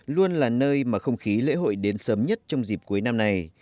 luôn là nơi mà không khí lễ hội đến sớm nhất trong dịp cuối năm này